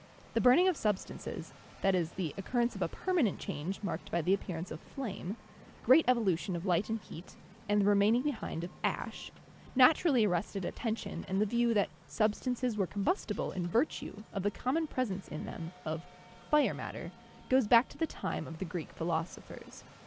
The burning of substances — that is the occurrence of a permanent change marked by the appearance of flame — great evolution of light and heat, and the remaining behind of ash — naturally arrested attention and the view that substances were combustible in virtue of the common presence in them of "fire matter" goes IOI 102 CHEMISTRY back to the time of the Greek philosophers.